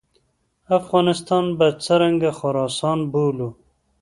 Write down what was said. افغانستان به څرنګه خراسان بولو.